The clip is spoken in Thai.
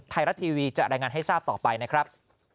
ไทยรัฐทีวีจะรายงานให้ทราบต่อไปนะครับ